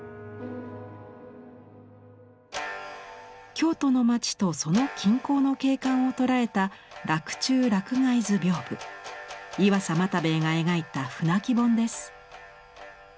京都の町とその近郊の景観を捉えた岩佐又兵衛が描いた舟木本です。